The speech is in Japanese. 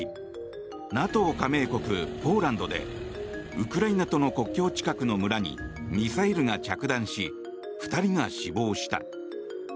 ＮＡＴＯ加盟国ポーランドでウクライナとの国境近くの村にミサイルが着弾し２人が死亡した。